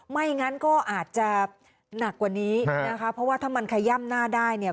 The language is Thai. ไม่งั้นก็อาจจะหนักกว่านี้นะคะเพราะว่าถ้ามันขย่ำหน้าได้เนี่ย